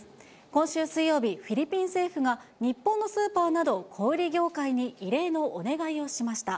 今週水曜日、フィリピン政府が、日本のスーパーなど、小売り業界に異例のお願いをしました。